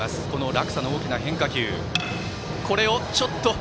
落差の大きな変化球。